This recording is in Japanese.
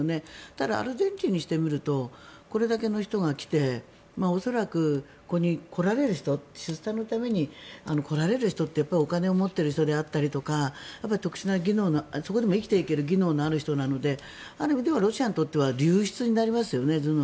ただ、アルゼンチンにしてみるとこれだけの人が来て恐らくここに来られる人出産のために来られる人ってお金を持っている人であったりとか特殊な技能のそこでも生きていける技能のある人なのである意味ではロシアにとっては頭脳の流出になりますよね。